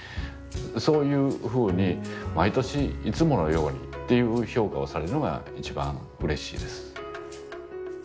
そういうふうに毎年「いつものように」っていう評価をされるのが一番うれしいです。